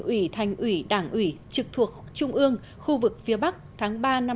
ủy thành ủy đảng ủy trực thuộc trung ương khu vực phía bắc tháng ba năm hai nghìn hai mươi